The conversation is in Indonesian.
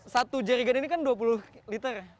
satu jarigan ini kan dua puluh liter